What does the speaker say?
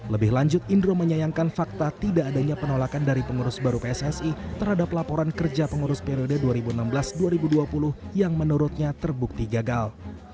lebih lanjut indro menyayangkan fakta tidak adanya penolakan dari pengurus baru pssi terhadap laporan kerja pengurus periode dua ribu enam belas dua ribu dua puluh yang menurutnya terbukti gagal